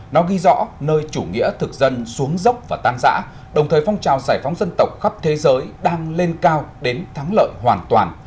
nó ghi rõ nơi chủ nghĩa thực dân xuống dốc và tan giã đồng thời phong trào giải phóng dân tộc khắp thế giới đang lên cao đến thắng lợi hoàn toàn